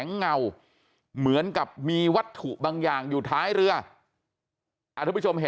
ในในในในในในในในในในในใน